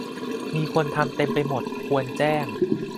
มีคนทำเต็มไปหมด ควรแจ้ง